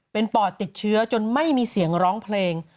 เป็นปอดติดเชื้อจนไม่มีเสียงร้องเพลง